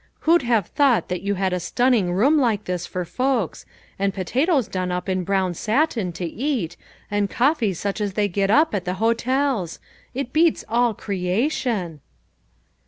Who'd have thought that you had a stunning room like this for folks, and po tatoes done up in brown satin, to eat, and coffee such as they get up at the hotels ! It beats aU creation